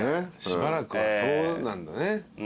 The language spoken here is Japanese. しばらくはそうなんだね。